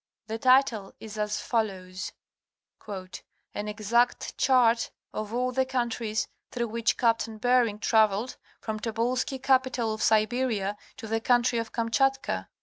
The title is as follows : "An exact chart of all the countries through which Cap'. Behring travelled, from Tobolski Capital of Siberia to the country of Kamtschatka."